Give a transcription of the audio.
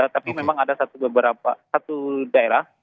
tapi memang ada beberapa satu daerah